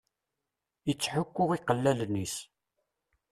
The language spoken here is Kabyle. Ittḥukku iqellalen-is.